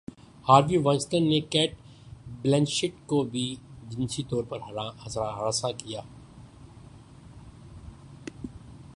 Harvey Weinstein نے Cate Blanchett کو بھی جنسی طور پر ہراساں کیا